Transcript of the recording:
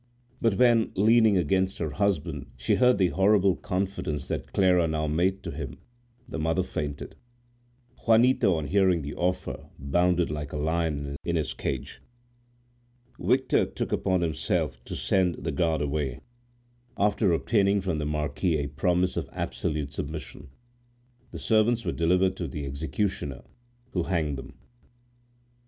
But when, leaning against her husband, she heard the horrible confidence that Clara now made to him, the mother fainted. Juanito, on hearing the offer, bounded like a lion in his cage. Victor took upon himself to send the guard away, after obtaining from the marquis a promise of absolute submission. The servants were delivered to the executioner, who hanged them.